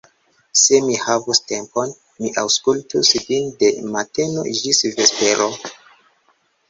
Se mi havus tempon, mi aŭskultus vin de mateno ĝis vespero.